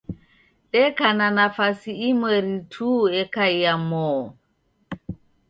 Deka na nafasi imweri tu yekaya moo.